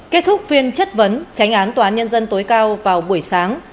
kết thúc phiên chất vấn tránh án tòa án nhân dân tối cao vào buổi sáng